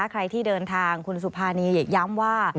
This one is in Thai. ใครที่เดินทางคุณสุภานีย้ำว่า